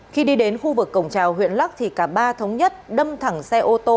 khi đi đến khu vực cổng trào huyện lắc thì cả ba thống nhất đâm thẳng xe ô tô